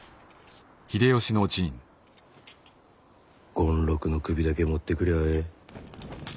権六の首だけ持ってくりゃあええ。